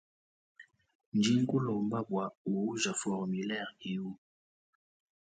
Ndi nkulomba bua uuja formilere ewu.